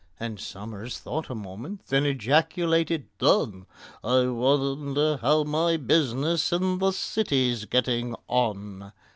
And SOMERS thought a minute, then ejaculated, "Done! I wonder how my business in the City's getting on?"